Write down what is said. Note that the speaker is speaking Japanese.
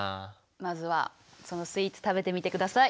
まずはそのスイーツ食べてみてください。